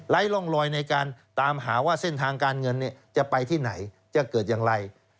ร่องลอยในการตามหาว่าเส้นทางการเงินจะไปที่ไหนจะเกิดอย่างไร